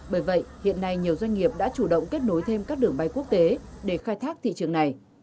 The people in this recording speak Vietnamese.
bởi vậy hiện nay nhiều doanh nghiệp đã chủ động kết nối thêm các đường bay quốc tế để khai thác thị trường này